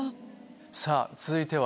さぁ続いては？